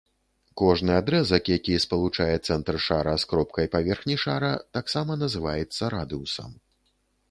Кожны адрэзак, які спалучае цэнтр шара з кропкай паверхні шара, таксама называецца радыусам.